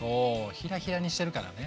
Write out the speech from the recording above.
ひらひらにしてるからね。